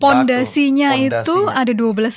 pondasinya itu ada dua belas lapis